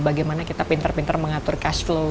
bagaimana kita pintar pintar mengatur cash flow